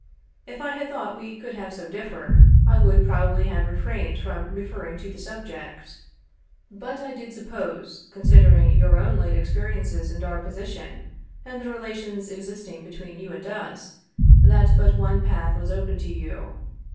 If I had thought we could have so differed, I would probably have refrained from referring to the subject. But I did suppose, consider ing your own late experiences and our position, and the relations existing between you and us, that but one path was open to you.